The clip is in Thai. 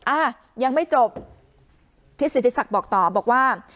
อ้ายังไม่จบทิศศิษฐิษฐรรคบอกต่อบอกว่า